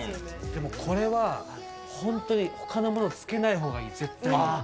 でもこれは本当にほかのものつけないほうがいい、絶対に。